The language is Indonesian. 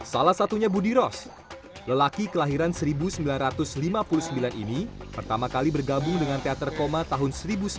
salah satunya budi ros lelaki kelahiran seribu sembilan ratus lima puluh sembilan ini pertama kali bergabung dengan teater koma tahun seribu sembilan ratus sembilan puluh